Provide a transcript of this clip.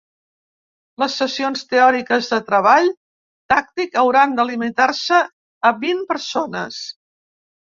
Les sessions teòriques de treball tàctic hauran de limitar-se a vint persones.